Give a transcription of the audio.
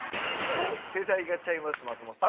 世代がちゃいます松本さん。